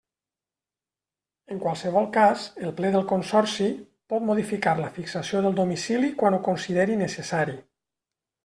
En qualsevol cas el Ple del Consorci, pot modificar la fixació del domicili quan ho consideri necessari.